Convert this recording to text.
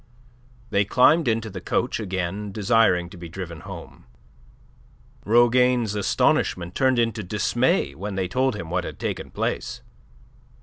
They climbed into the coach again, desiring to be driven home. Rougane's astonishment turned into dismay when they told him what had taken place.